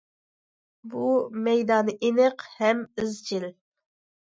بۇ مەيدانى ئېنىق ھەم ئىزچىل.